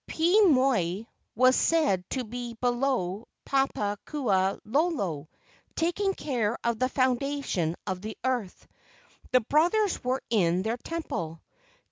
Pii moi was said to be below Papaku lolo, taking care of the foundation of the earth. The brothers were in their temple.